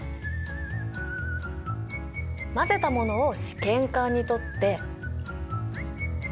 混ぜたものを試験管にとって。